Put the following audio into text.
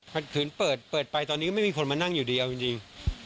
มันขืนเปิดไปตอนนี้ไม่มีคนมานั่งอยู่ดีเอาจริง